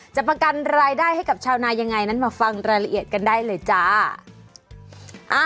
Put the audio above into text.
จะประกันรายได้ให้กับชาวนายังไงนั้นมาฟังรายละเอียดกันได้เลยจ้า